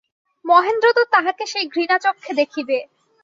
মহেন্দ্র তো তাহাকে সেই ঘৃণাচক্ষে দেখিবে।